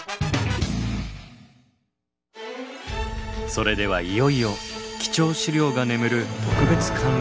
それではいよいよ貴重資料が眠る